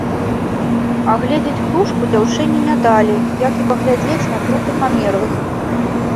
Агледзець птушку дзяўчыне не далі, як і паглядзець на трупы памерлых.